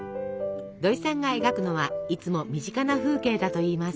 どいさんが描くのはいつも身近な風景だといいます。